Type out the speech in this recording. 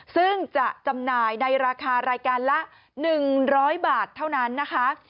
ซึ่งจะจำหน่ายในราคารายการละ๑๐๐บาทเท่านั้นนะคะ